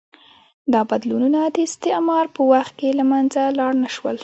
دا بدلونونه د استعمار په وخت کې له منځه لاړ نه شول.